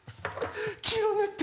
黄色塗って！